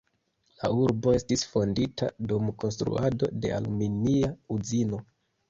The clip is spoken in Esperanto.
La urbo estis fondita dum konstruado de aluminia uzino.